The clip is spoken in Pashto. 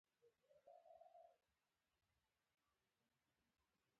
سبا بابا د ښار لوی جیل ته،